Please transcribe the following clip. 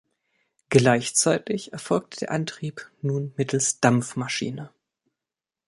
Gleichzeitig erfolgte der Antrieb nun mittels Dampfmaschine.